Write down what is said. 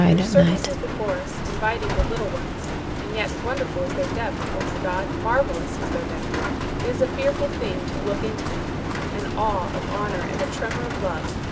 Their surface is before us, inviting the little ones; and yet wonderful is their depth, O my God, marvelous is their depth! It is a fearful thing to look into them: an awe of honor and a tremor of love.